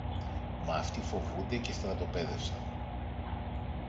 Μα αυτοί φοβούνται και στρατοπέδευσαν.